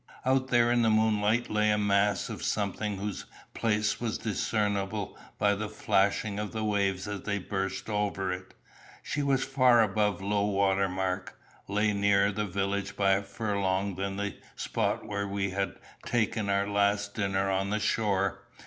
Out there in the moonlight lay a mass of something whose place was discernible by the flashing of the waves as they burst over it. She was far above low water mark lay nearer the village by a furlong than the spot where we had taken our last dinner on the shore.